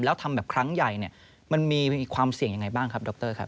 แล้วทำแบบครั้งใหญ่เนี่ยมันมีความเสี่ยงยังไงบ้างครับดรครับ